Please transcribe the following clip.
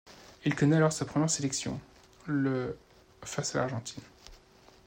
Il connaît alors sa première sélection le face à l'Argentine.